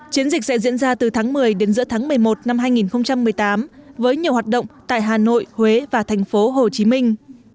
chiến dịch sẽ diễn ra từ tháng một mươi đến giữa tháng một mươi một năm hai nghìn một mươi tám với nhiều hoạt động tại hà nội huế và thành phố hồ chí minh